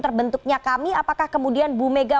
terbentuknya kami apakah kemudian bu mega